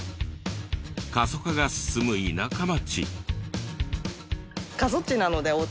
過疎化が進む田舎町。